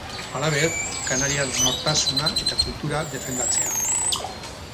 Halaber, kanariar nortasuna eta kultura defendatzea.